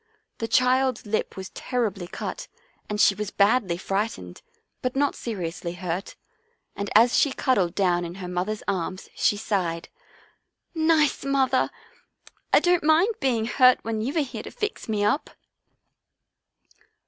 The child's lip was terribly cut and she was badly fright ened, but not seriously hurt, and as she cuddled down in her mother's arms she sighed, " Nice mother ! I don't mind being hurt when you are here to fix me up."